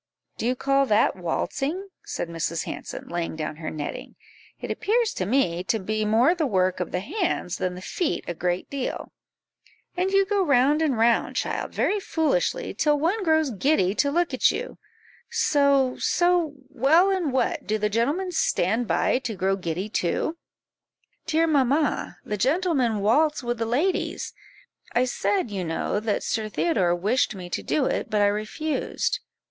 "Do you call that waltzing?" said Mrs. Hanson, laying down her netting; "it appears to me to be more the work of the hands than the feet a great deal; and you go round and round, child, very foolishly, till one grows giddy to look at you so, so well, and what, do the gentlemen stand by to grow giddy too?" "Dear mamma, the gentlemen waltz with the ladies; I said, you know, that Sir Theodore wished me to do it, but I refused."